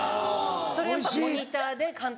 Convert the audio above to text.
それやっぱモニターで監督